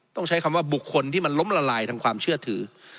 ต้องใช้คำว่าบุคคลที่มันล้มละลายทางความเชื่อถือ